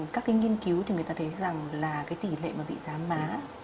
các cái nghiên cứu thì người ta thấy rằng là cái tỷ lệ mà bị giám má